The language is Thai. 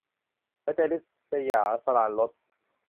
หัวใจริษยา - สราญรส